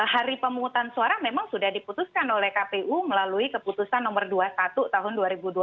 hari pemungutan suara memang sudah diputuskan oleh kpu melalui keputusan nomor dua puluh satu tahun dua ribu dua puluh